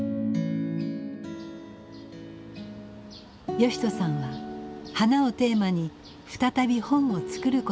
義人さんは花をテーマに再び本を作ることにしました。